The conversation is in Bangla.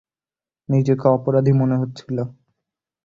নিজেকে অপরাধী মনে হচ্ছিল।